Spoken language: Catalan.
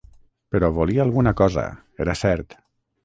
Però volia alguna cosa, era cert.